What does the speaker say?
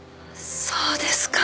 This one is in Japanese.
そうですか